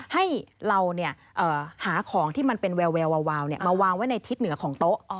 ให้เราหาของที่มันเป็นแวววาวมาวางไว้ในทิศเหนือของโต๊ะ